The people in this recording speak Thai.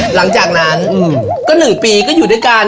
หลังจากนั้นก็๑ปีก็อยู่ด้วยกัน